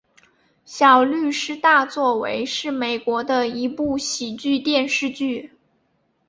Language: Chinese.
小律师大作为是美国的一部喜剧电视剧。